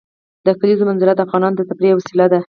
د کلیزو منظره د افغانانو د تفریح یوه وسیله ده.